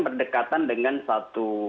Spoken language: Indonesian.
berdekatan dengan satu